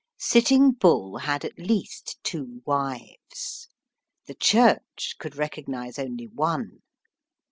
Sitting Bull had at least two wives. The Church could recognize only one.